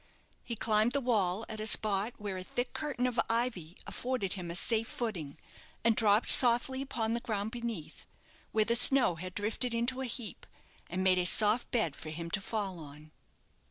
He climbed the wall at a spot where a thick curtain of ivy afforded him a safe footing, and dropped softly upon the ground beneath, where the snow had drifted into a heap, and made a soft bed for him to fall on.